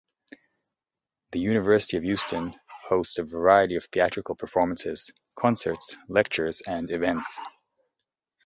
The University of Houston hosts a variety of theatrical performances, concerts, lectures, and events.